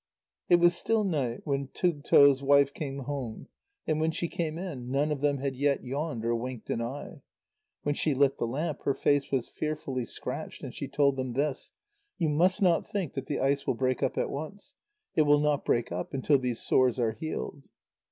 It was still night when Tugto's wife came home, and when she came in, none of them had yet yawned or winked an eye. When she lit the lamp, her face was fearfully scratched, and she told them this: "You must not think that the ice will break up at once; it will not break up until these sores are healed."